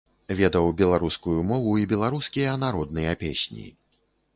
Ведаў беларускую мову і беларускія народныя песні.